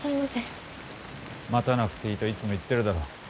待たなくていいといつも言っているだろう？